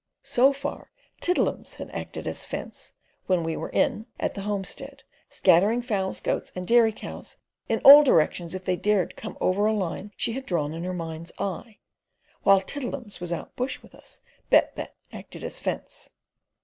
So far Tiddle'ums had acted as fence, when we were in, at the homestead, scattering fowls, goats, and dairy cows in all directions if they dared come over a line she had drawn in her mind's eye. When Tiddle'ums was out bush with us, Bett Bett acted as fence.